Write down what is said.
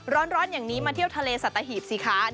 ร้อนอย่างนี้มาเที่ยวทะเลสัตหีบสิคะ